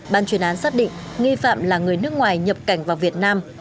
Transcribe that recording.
ban chuyên án xác định nghi phạm là người nước ngoài nhập cảnh vào việt nam